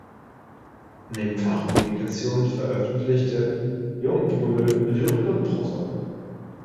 Neben Fachpublikationen veröffentlichte Young-Bruehl Lyrik und Prosa.